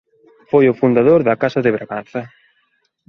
Foi o fundador da casa de Braganza.